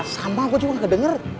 sama gue juga gak denger